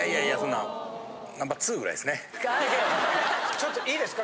ちょっといいですか？